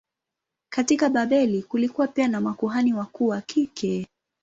Katika Babeli kulikuwa pia na makuhani wakuu wa kike.